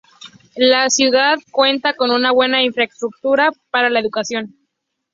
La ciudad cuenta con buena infraestructura para la educación.